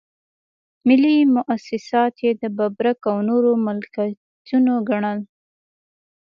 ملي مواسسات یې د ببرک او نورو ملکيتونه ګڼل.